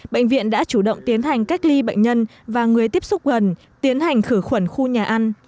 bệnh viện đã chủ động tiến hành cách ly bệnh nhân và người tiếp xúc gần tiến hành khử khuẩn khu nhà ăn